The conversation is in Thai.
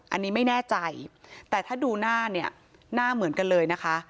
อันนี้ไม่แน่ใจแต่ถ้าดูหน้าเนี่ยหน้าเหมือนกันเลยนะคะ